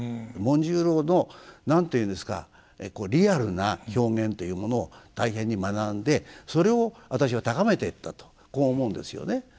紋十郎の何て言うんですかリアルな表現というものを大変に学んでそれを私は高めていったとこう思うんですよね。